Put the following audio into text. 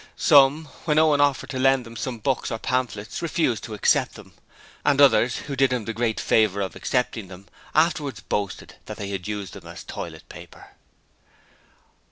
Some, when Owen offered to lend them some books or pamphlets refused to accept them, and others who did him the great favour of accepting them, afterwards boasted that they had used them as toilet paper.